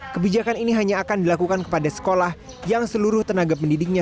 kebijakan ini hanya akan dilakukan kepada sekolah yang seluruh tenaga pendidiknya